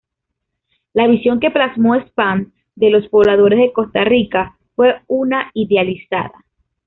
La visión que plasmó Span de los pobladores de Costa Rica fue una idealizada.